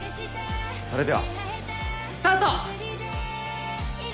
それではスタート！